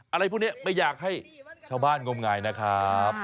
อะไรพวกนี้ไม่อยากให้ชาวบ้านงมงายนะครับ